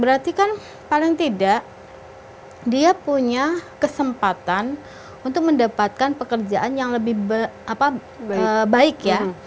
berarti kan paling tidak dia punya kesempatan untuk mendapatkan pekerjaan yang lebih baik ya